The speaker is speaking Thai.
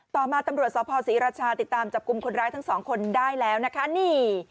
ต่อมาตำรวจสภศรีราชาติดตามจับกลุ่มคนร้ายทั้งสองคนได้แล้วนะคะนี่